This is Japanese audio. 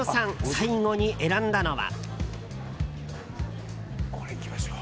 最後に選んだのは。